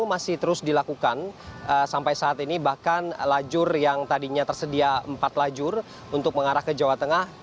masih terus dilakukan sampai saat ini bahkan lajur yang tadinya tersedia empat lajur untuk mengarah ke jawa tengah